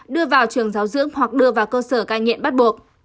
đưa vào trường giáo dưỡng hoặc đưa vào cơ sở ca nhiện bắt buộc